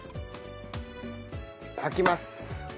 炊きます。